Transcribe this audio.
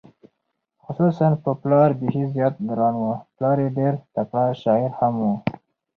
خصوصا په پلار بېخي زیات ګران و، پلار یې ډېر تکړه شاعر هم و،